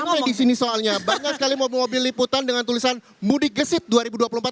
oke sudah lama disini soalnya bangga sekali mau membeli liputan dengan tulisan mudi gesit dua ribu dua puluh empat ya